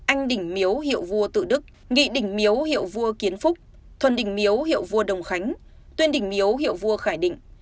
anh đỉnh miếu hiệu vua tự đức nghị đỉnh miếu hiệu vua kiến phúc thuần đình miếu hiệu vua đồng khánh tuyên đình miếu hiệu vua khải định